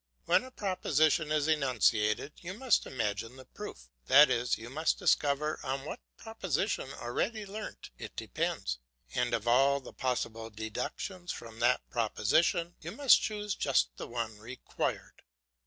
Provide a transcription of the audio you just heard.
When a proposition is enunciated you must imagine the proof; that is, you must discover on what proposition already learnt it depends, and of all the possible deductions from that proposition you must choose just the one required.